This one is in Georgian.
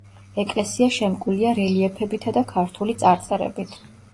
ეკლესია შემკულია რელიეფებითა და ქართული წარწერებით.